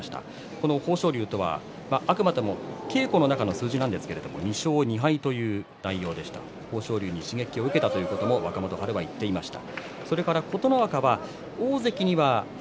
この豊昇龍とは、あくまでも稽古の数字ですが２勝２敗、豊昇龍に刺激を受けたということを若元春は言っていました。